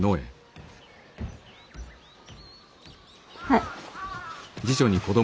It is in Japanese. はい。